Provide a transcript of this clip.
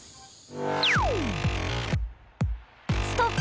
ストップ！